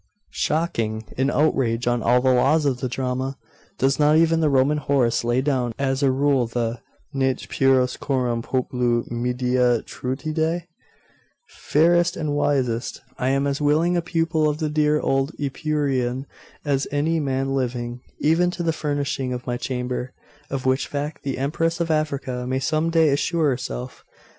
'Shocking! an outrage on all the laws of the drama. Does not even the Roman Horace lay down as a rule the Nec pueros coram populo Medea trucidet?' 'Fairest and wisest, I am as willing a pupil of the dear old Epicurean as any man living even to the furnishing of my chamber; of which fact the Empress of Africa may some day assure herself.